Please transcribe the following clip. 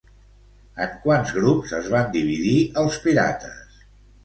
En quants grups es van dividir els pirates?